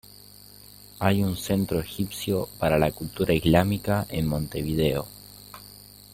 Hay un Centro Egipcio para la Cultura Islámica en Montevideo.